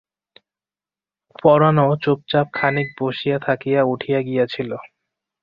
পরাণও চুপচাপ খানিক বসিয়া থাকিয়া উঠিয়া গিয়াছিল।